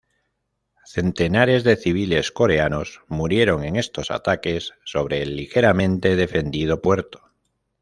Centenares de civiles coreanos murieron en estos ataques sobre el ligeramente defendido puerto.